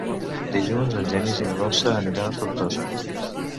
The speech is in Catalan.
Dilluns en Genís i na Dolça aniran a Tortosa.